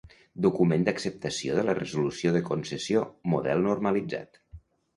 Document d'acceptació de la Resolució de concessió, model normalitzat.